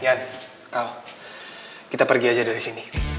yan kau kita pergi aja dari sini